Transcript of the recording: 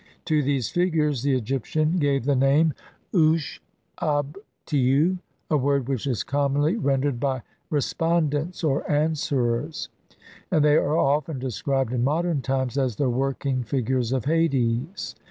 To these figures the Egyptian gave the name ushabtiu, a word which is commonly rendered by "respondents" or "answerers", and they are often described in modern times as the "working figures of Hades".